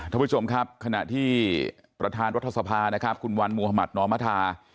ท่านผู้ชมครับขณะที่ประธานรัฐสภานะครับคุณวันมุธมัธนอมธา